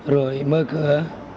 rồi mơ cửa